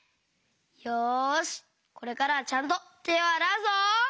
よしこれからはちゃんとてをあらうぞ！